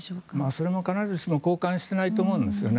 それも必ずしも好感してないと思うんですよね。